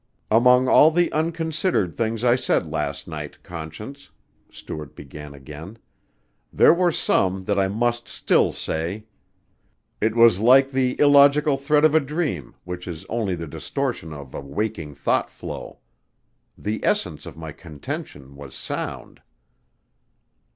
"Among all the unconsidered things I said last night, Conscience," Stuart began again, "there were some that I must still say. It was like the illogical thread of a dream which is only the distortion of a waking thought flow. The essence of my contention was sound."